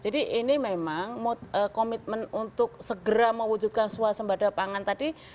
jadi ini memang komitmen untuk segera mewujudkan suasana pada pangan tadi